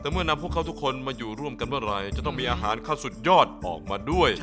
แต่เมื่อนำพวกเขาทุกคนมาอยู่ร่วมกันเมื่อไหร่จะต้องมีอาหารเข้าสุดยอดออกมาด้วย